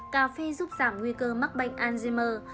tám cà phê giúp giảm nguy cơ mắc bệnh alzheimer